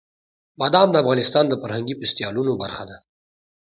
بادام د افغانستان د فرهنګي فستیوالونو برخه ده.